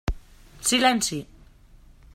Silenci!